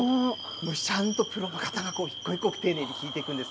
ちゃんとプロの方が一個一個、丁寧に聞いていくんです。